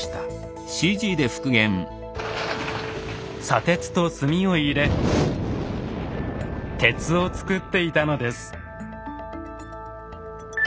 砂鉄と炭を入れ鉄をつくっていたのです。